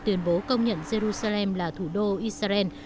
tuyên bố công nhận jerusalem là thủ đô israel